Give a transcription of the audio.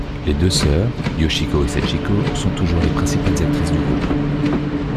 Les deux sœurs, Yoshiko et Sachiko, sont toujours les principales actrices du groupe.